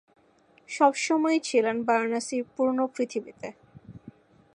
সবসময়ই ছিলেন বারাণসীর পুরোনো পৃথিবীতে।